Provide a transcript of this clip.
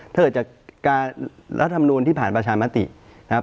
เธอจะการรัฐมนูลที่ผ่านประชามตินะครับ